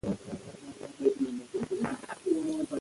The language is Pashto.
دوی د افغانستان اصلي اوسېدونکي، اتباع دي،